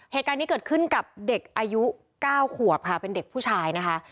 เหตุการณ์นี้เกิดขึ้นกับเด็กอายุ๙ขวบค่ะเป็นเด็กผู้ชายนะคะ